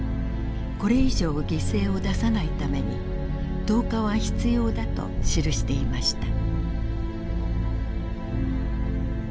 これ以上犠牲を出さないために投下は必要だと記していました。